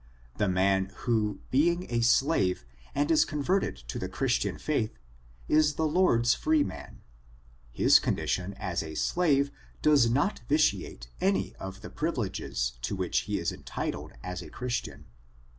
The man who, being a slave, and is converted to the Chris tian faith, is the Lord's free man — his condition as a slave does not vitiate any of the privileges to which he is entitled as a Christian.